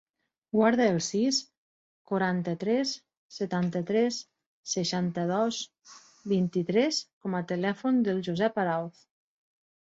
Guarda el sis, quaranta-tres, setanta-tres, seixanta-dos, vint-i-tres com a telèfon del Josep Arauz.